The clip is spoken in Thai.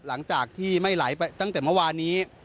หลังจากที่ไม่ไหลไปตั้งแต่เมื่อวานนี้